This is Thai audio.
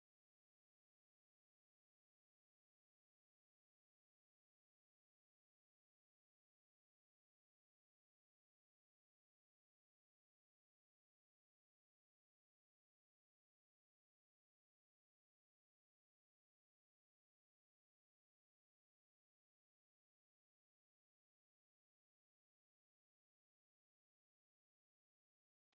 ก็เหมือนกันตำรวจไปสืบจนรู้ว่ามีคนใีก็พูดถึงไหว